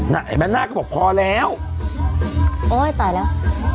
ไอ้แม่นาคก็บอกพอแล้วโอ๊ยตายแล้ว